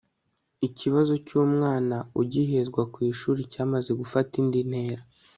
ikibazo cy' umwana ugihezwa ku ishuri cyamaze gufata indi ntera